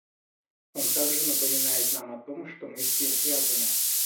Он также напоминает нам о том, что мы все связаны.